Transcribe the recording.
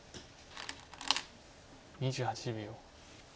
２８秒。